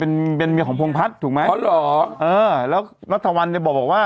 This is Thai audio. เป็นเป็นเมียของพงพัฒน์ถูกไหมอ๋อเหรอเออแล้วนัทวันเนี่ยบอกว่า